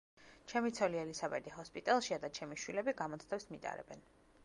ჩემი ცოლი ელისაბედი ჰოსპიტალშია და ჩემი შვილები გამოცდებს მიტარებენ.